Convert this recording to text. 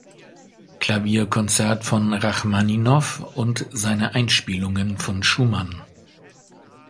Klavierkonzert von Rachmaninow und seine Einspielungen von Schumann.